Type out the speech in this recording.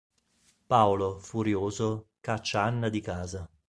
Paolo, furioso, caccia Anna di casa.